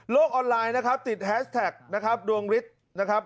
ออนไลน์นะครับติดแฮสแท็กนะครับดวงฤทธิ์นะครับ